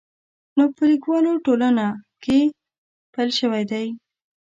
نو په لیکوالو ټولنه کې پیل شوی دی.